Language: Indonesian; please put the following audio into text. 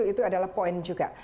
itu adalah poin juga